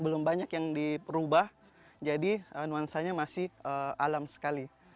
belum banyak yang diperubah jadi nuansanya masih alam sekali